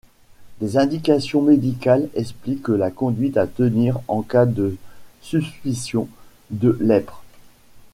Des indications médicales expliquent la conduite à tenir en cas de suspicion de lèpre.